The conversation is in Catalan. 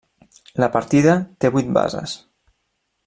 La partida té vuit bases.